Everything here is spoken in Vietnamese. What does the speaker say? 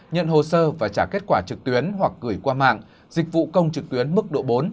nhận hồ sơ và trả kết quả trực tuyến hoặc gửi qua mạng dịch vụ công trực tuyến mức độ bốn